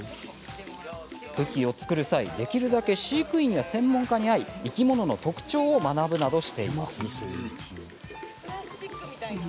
クッキーを作る際できるだけ専門家や飼育員に会い生き物の特徴を学ぶなどしています。